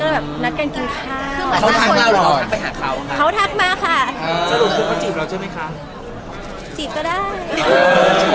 กินข้าวกันแล้วนะเราไปเดทอะไรอย่างเงี้ย